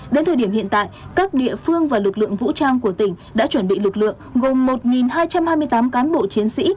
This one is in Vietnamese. đến thời điểm hiện tại các địa phương và lực lượng vũ trang của tỉnh đã chuẩn bị lực lượng gồm một hai trăm hai mươi tám cán bộ chiến sĩ